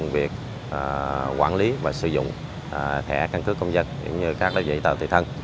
việc quản lý và sử dụng thẻ căn cước công dân như các đối diện tàu tự thân